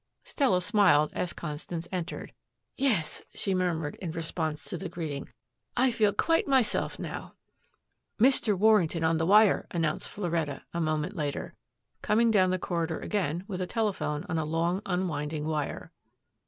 Stella smiled as Constance entered. "Yes," she murmured in response to the greeting, "I feel quite myself now." "Mr. Warrington on the wire," announced Floretta a moment later, coming down the corridor again with a telephone on a long unwinding wire.